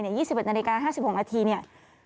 ๒๑นาฬิกา๕๖นาที